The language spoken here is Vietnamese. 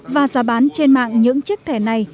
và giá bán trên mạng những chiếc thẻ này